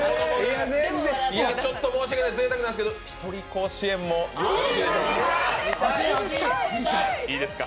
申し訳ない、ぜいたくなんですけど、ひとり甲子園も、いいですか。